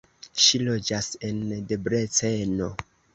Ŝi loĝas en Debreceno.